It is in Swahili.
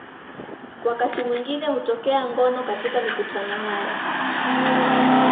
Wakati mwingine hutokea ngono katika mikutano haya.